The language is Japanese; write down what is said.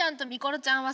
ちゃんはさ